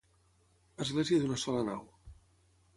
Església d'una sola nau.